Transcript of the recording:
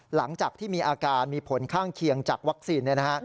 หลังจากที่มีอาการมีผลข้างเคียงจากวัคซีน